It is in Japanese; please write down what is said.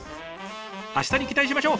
あしたに期待しましょう。